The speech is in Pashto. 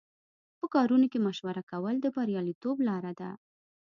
په کارونو کې مشوره کول د بریالیتوب لاره ده.